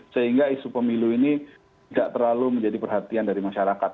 sehingga isu pemilu ini tidak terlalu menjadi perhatian dari masyarakat